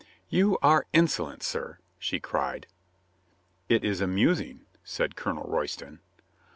"You are insolent, sir," she cried. "It is amusing," said Colonel Royston.